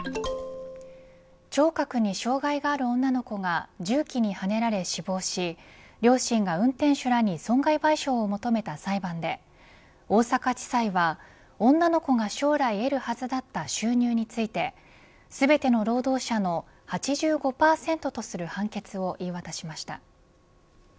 聴覚に障害がある女の子が重機にはねられ死亡し両親が運転手らに損害賠償を求めた裁判で大阪地裁は女の子らが将来得るはずだった収入について全ての労働者の８５％とする判決を言い渡しました。